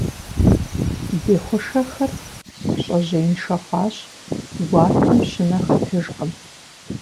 Ди хъушэхэр щӀэжьеиншэ хъуащ, гуартэм щынэ хэтыжкъым.